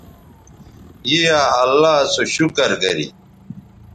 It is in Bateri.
ی یا اللہ سو شکر گری